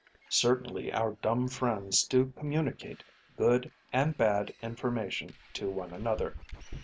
Certainly our dumb friends do communicate good and bad information to one another.